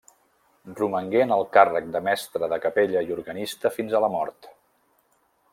Romangué en el càrrec de mestre de capella i organista fins a la mort.